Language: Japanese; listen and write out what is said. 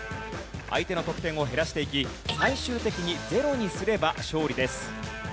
相手の得点を減らしていき最終的にゼロにすれば勝利です。